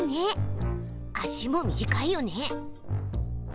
足も短いよね。